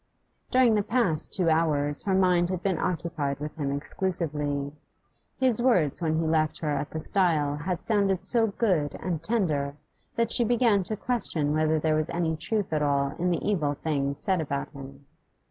During the past two hours her mind had been occupied with him exclusively; his words when he left her at the stile had sounded so good and tender that she began to question whether there was any truth at all in the evil things said about him.